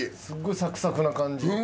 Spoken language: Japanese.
すごいサクサクな感じ？